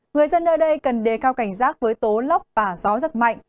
người dân ở đây cần đề cao cảnh giác với tố lóc và gió rất mạnh